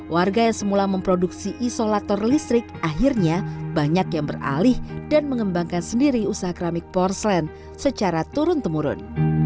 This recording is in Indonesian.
warga yang semula memproduksi isolator listrik akhirnya banyak yang beralih dan mengembangkan sendiri usaha keramik porselen secara turun temurun